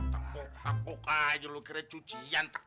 tekuk tekuk aja lo kira cucian tekuk